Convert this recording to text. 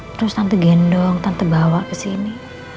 terus tante gendong tante bawa kesini